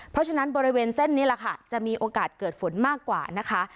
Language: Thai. เพราะฉะนั้นบริเวณเส้นนี้แหละค่ะจะมีโอกาสเกิดฝนมากกว่านะคะ